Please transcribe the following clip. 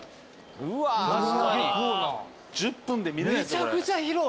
めちゃくちゃ広い！